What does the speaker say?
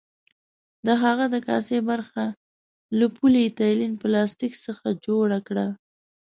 د هغه د کاسې برخه له پولي ایتلین پلاستیک څخه جوړه کړه.